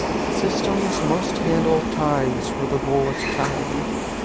Systems must handle ties for the lowest tally.